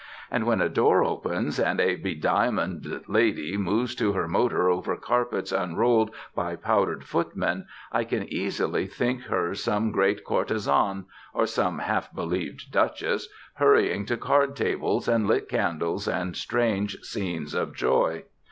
And when a door opens and a bediamonded Lady moves to her motor over carpets unrolled by powdered footmen, I can easily think her some great Courtezan, or some half believed Duchess, hurrying to card tables and lit candles and strange scenes of joy.